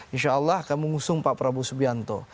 insya allah kami mengusung pak prabowo subianto